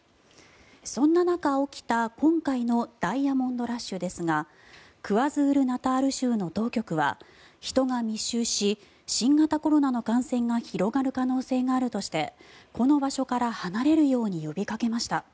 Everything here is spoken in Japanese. そんな中起きた今回のダイヤモンド・ラッシュですがクワズール・ナタール州の当局は人が密集し新型コロナの感染が広がる可能性があるとしてこの場所から離れるように呼びかけました。